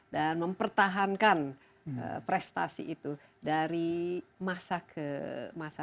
dan mempertahankan prestasi itu dari masa ke masa